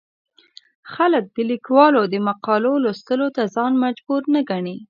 خلک د ليکوالو د مقالو لوستلو ته ځان مجبور نه ګڼي.